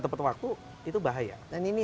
tepat waktu itu bahaya dan ini